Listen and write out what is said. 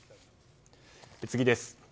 次です。